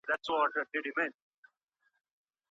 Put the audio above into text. پر سلېمې باندي طلاق واقع دی.